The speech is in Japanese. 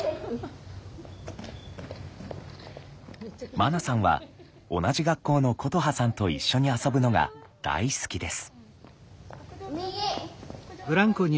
まなさんは同じ学校のことはさんと一緒に遊ぶのが大好きです。